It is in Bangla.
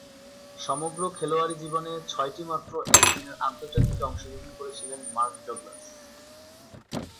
সমগ্র খেলোয়াড়ী জীবনে ছয়টিমাত্র একদিনের আন্তর্জাতিকে অংশগ্রহণ করেছিলেন মার্ক ডগলাস।